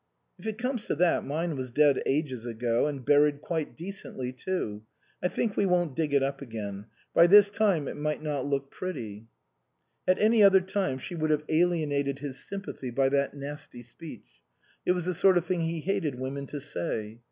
"If it comes to that, mine was dead ages ago, and buried quite decently too. I think we won't dig it up again ; by this time it might not look pretty." At any other time she would have alienated T.S.Q. 81 G THE COSMOPOLITAN his sympathy by that nasty speech ; it was the sort of thing he hated women to say.